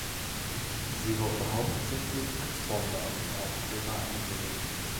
Sie wurde hauptsächlich als Bomber und Aufklärer eingesetzt.